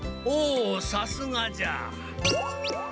おおさすがじゃ。